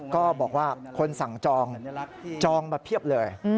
ก็บอกว่าคนสั่งจองจองมาเพียบเลย